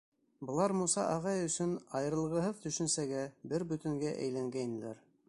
Былар Муса ағай өсөн айырылғыһыҙ төшөнсәгә, бер бөтөнгә әйләнгәйнеләр.